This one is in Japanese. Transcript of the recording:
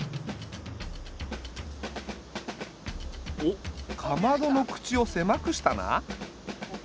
おっかまどの口を狭くしたな。